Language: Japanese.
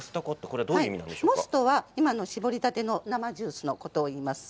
モストは今の搾りたての生ジュースのことを言います。